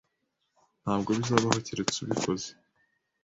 Ntabwo bizabaho keretse ubikoze.